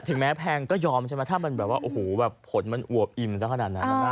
ถึงแม้แพงก็ยอมใช่มั้ยถ้าผลมันอวบอิ่มสักขนาดนั้น